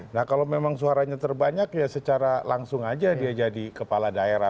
nah kalau memang suaranya terbanyak ya secara langsung aja dia jadi kepala daerah